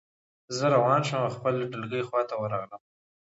زه روان شوم او د خپلې ډلګۍ خواته ورغلم